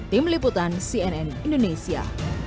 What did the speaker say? tim liputan cnn indonesia